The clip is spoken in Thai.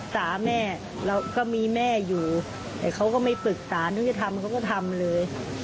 แต่เขาก็ไม่ปรึกษานทำอะไรก็ดูทำเลย